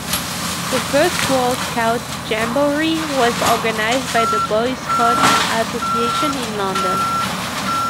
The first World Scout Jamboree was organized by The Boy Scout Association in London.